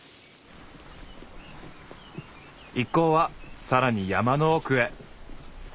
一行はさらに山の奥へ。